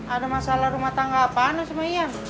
ada masalah rumah tangga apaan lo sama ian